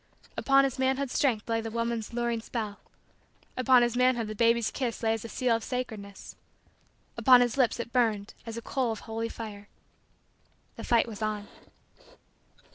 Upon his manhood's strength lay the woman's luring spell. Upon his manhood the baby's kiss lay as a seal of sacredness upon his lips it burned as a coal of holy fire. The fight was on.